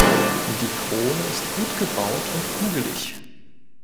Die Krone ist gut gebaut und kugelig.